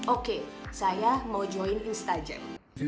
oke saya mau join instajam